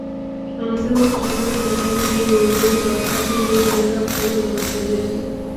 Anasema kutokana na hali hiyo uongozi wa wakati huo ulianza kufanya mawasiliano